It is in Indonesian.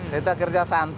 kita kerja sangat